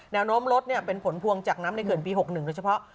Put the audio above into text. แนวโน้มลดเป็นผลพวงจากน้ำในเขื่อนปี๖๑โดยเฉพาะ